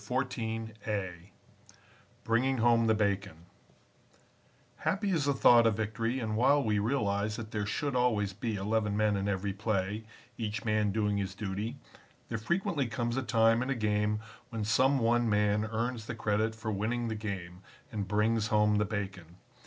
CHAPTER XIV BRINGING HOME THE BACON Happy is the thought of victory, and while we realize that there should always be eleven men in every play, each man doing his duty, there frequently comes a time in a game, when some one man earns the credit for winning the game, and brings home the bacon.